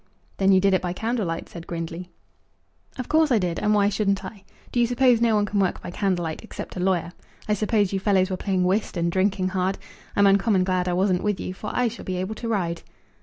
"Then you did it by candle light," said Grindley. "Of course I did; and why shouldn't I? Do you suppose no one can work by candle light except a lawyer? I suppose you fellows were playing whist, and drinking hard. I'm uncommon glad I wasn't with you, for I shall be able to ride."